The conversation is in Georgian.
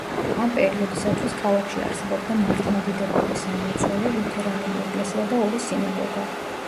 ამ პერიოდისათვის ქალაქში არსებობდა მართლმადიდებლური სამლოცველო, ლუთერანული ეკლესია და ორი სინაგოგა.